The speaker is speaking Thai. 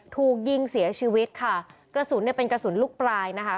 ถูกยิงเสียชีวิตค่ะกระสุนเนี่ยเป็นกระสุนลูกปลายนะคะ